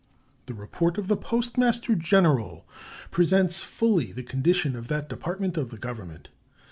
The report of the Postmaster General presents fully the condition of that Department of the Government.